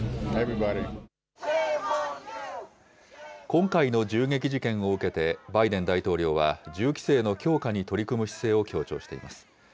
今回の銃撃事件を受けて、バイデン大統領は銃規制の強化に取り組む姿勢を強調しています。